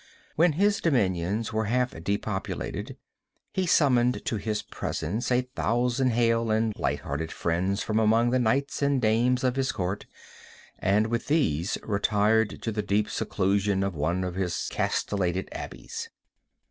When his dominions were half depopulated, he summoned to his presence a thousand hale and light hearted friends from among the knights and dames of his court, and with these retired to the deep seclusion of one of his castellated abbeys.